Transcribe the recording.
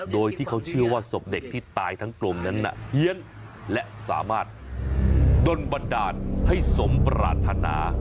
โดยที่เขาเชื่อว่าศพเด็กที่ตายทั้งกลมนั้นน่ะเฮียนและสามารถดนบันดาลให้สมปรารถนา